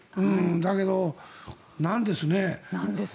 だけどなんですね。